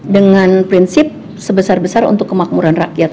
dengan prinsip sebesar besar untuk kemakmuran rakyat